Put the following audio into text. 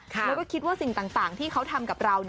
แล้วก็คิดว่าสิ่งต่างที่เขาทำกับเรา